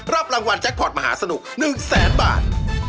รับรางวัลแจ็คพอร์ตมหาสนุก๑แสนบาท